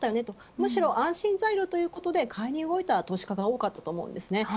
むしろ安心材料ということで買いに走った投資家が多かったと思います。